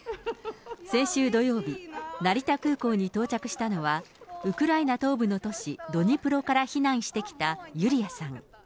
先週土曜日、成田空港に到着したのは、ウクライナ東部の都市、ドニプロから避難してきたユリアさん。